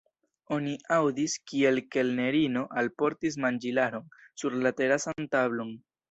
Oni aŭdis, kiel kelnerino alportis manĝilaron sur la terasan tablon.